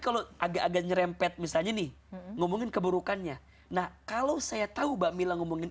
kalau agak agak nyerempet misalnya nih ngomongin keburukannya nah kalau saya tahu mbak mila ngomongin